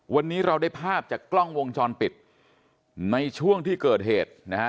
วันนี้เราได้ภาพจากกล้องวงจรปิดในช่วงที่เกิดเหตุนะฮะ